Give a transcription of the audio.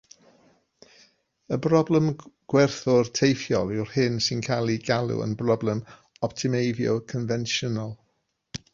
Y broblem gwerthwr teithiol yw'r hyn sy'n cael ei galw yn broblem optimeiddio confensiynol.